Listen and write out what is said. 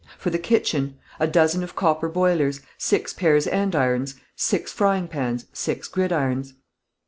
"For the kitchen: A dozen of copper boilers, six pairs andirons, six frying pans, six gridirons.